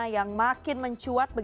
yang makin mencuat